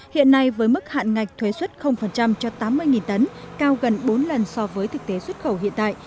hiện nay với mức hạn ngạch thuế xuất cho tám mươi tấn cao gần bốn lần so với thực tế xuất khẩu hiện tại